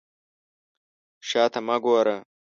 شا ته مه ګوره.